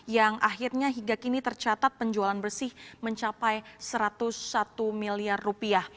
yang akhirnya hingga kini tercatat penjualan bersih mencapai satu ratus satu miliar rupiah